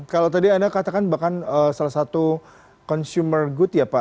kalau tadi anda katakan bahkan salah satu consumer good ya pak